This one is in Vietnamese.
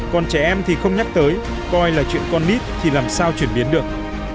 còn trẻ em thì không nhắc tới coi là chuyện con mít thì làm sao chuyển biến được